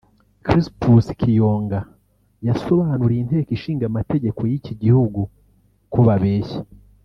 Crispus Kiyonga yasobanuriye Inteko ishingamamtegeko y’iki gihugu ko babeshya